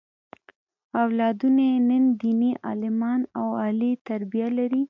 اولادونه یې نن دیني عالمان او عالي تربیه لري.